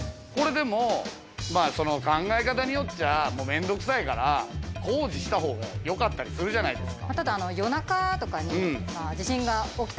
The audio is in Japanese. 考え方によっては面倒くさいから工事したほうがよかったりするじゃないですか。